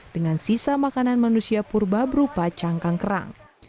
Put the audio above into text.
dengan sisa makanan manusia purba berupa cangkang kerang